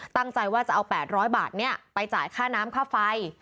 ตั้งใจว่าจะเอา๘๐๐บาทไปจ่ายค่าน้ำค่าไฟ